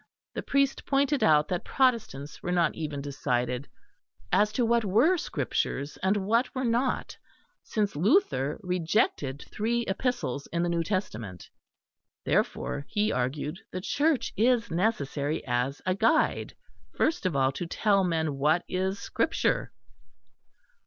The priest pointed out that Protestants were not even decided as to what were Scriptures and what were not, since Luther rejected three epistles in the New Testament; therefore, he argued, the Church is necessary as a guide, first of all, to tell men what is Scripture.